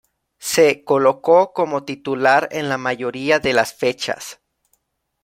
Se colocó como titular en la mayoría de las fechas.